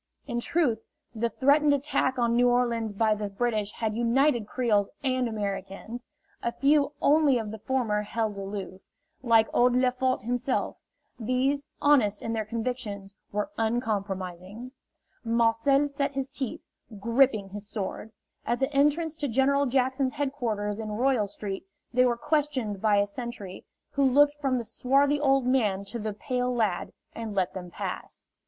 In truth, the threatened attack on New Orleans by the British had united Creoles and Americans. A few only of the former held aloof like old Lefort himself; these, honest in their convictions, were uncompromising. Marcel set his teeth, gripping his sword. At the entrance to General Jackson's headquarters in Royal Street they were questioned by a sentry, who looked from the swarthy old man to the pale lad, and let them pass.